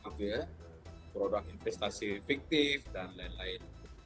gitu ya produk investasi fiktif dan lain lain